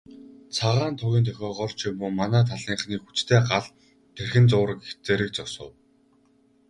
Цагаан тугийн дохиогоор ч юм уу, манай талынхны хүчтэй гал тэрхэн зуур зэрэг зогсов.